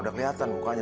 udah kelihatan mukanya